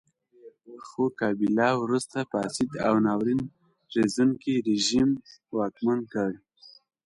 خو کابیلا وروسته فاسد او ناورین زېږوونکی رژیم واکمن کړ.